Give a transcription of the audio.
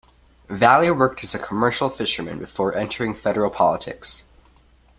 Valley worked as a commercial fisherman before entering federal politics.